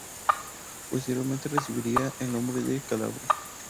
Posteriormente recibiría el nombre de Calabria.